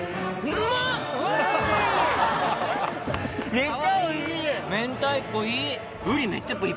めっちゃおいしい！